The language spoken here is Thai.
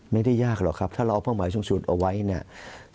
ไม่ได้ยากหรอกครับถ้าเราเอาเป้าหมายสูงสุดเอาไว้เนี่ย